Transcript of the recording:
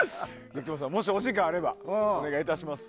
木本さん、もしお時間があればお願いいたします。